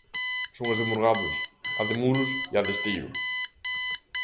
Son as de Mugardos, a de Muros e a de Esteiro.